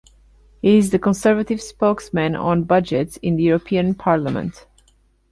He is the Conservative Spokesman on budgets in the European Parliament.